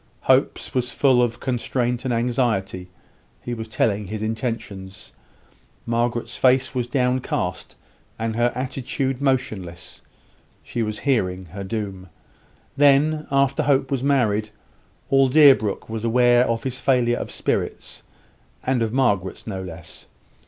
Hope's was full of constraint and anxiety; he was telling his intentions: Margaret's face was downcast, and her attitude motionless; she was hearing her doom. Then, after Hope was married, all Deerbrook was aware of his failure of spirits; and of Margaret's no less.